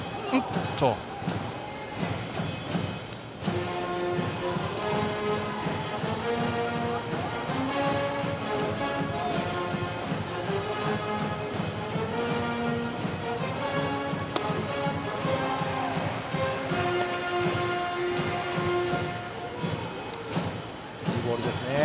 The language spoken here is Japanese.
いいボールですね。